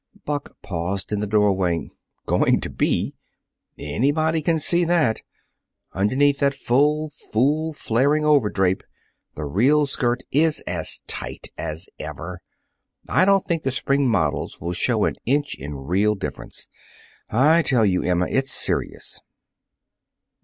Buck paused in the doorway. "Going to be! Anybody can see that. Underneath that full, fool, flaring over drape, the real skirt is as tight as ever. I don't think the spring models will show an inch of real difference. I tell you, Emma, it's serious."